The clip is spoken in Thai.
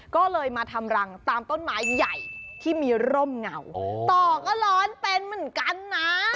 ก็เลยมาทำรังตามต้นไม้ใหญ่ที่มีร่มเงาต่อก็ร้อนเป็นเหมือนกันนะ